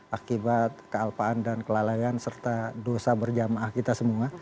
akibat kealpaan dan kelalaian serta dosa berjamaah kita semua